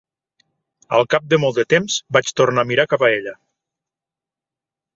Al cap de molt de temps, vaig tornar a mirar cap a ella.